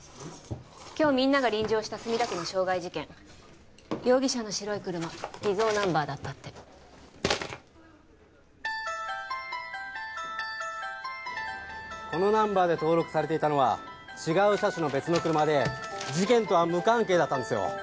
今日みんなが臨場した墨田区の傷害事件容疑者の白い車偽造ナンバーだったって・このナンバーで登録されていたのは違う車種の別の車で事件とは無関係だったんですよ